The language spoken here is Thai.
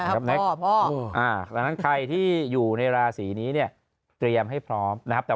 ดังนั้นใครที่อยู่ในราศีนี้เนี่ยเตรียมให้พร้อมนะครับ